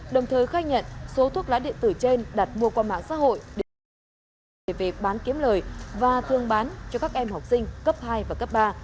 đồng thời khai nhận số thuốc lá điện tử trên đặt mua qua mạng xã hội để bán kiếm lời và thương bán cho các em học sinh cấp hai và cấp ba